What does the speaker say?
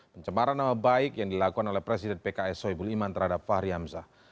pencemaran nama baik yang dilakukan oleh presiden pks soebul iman terhadap fahri hamzah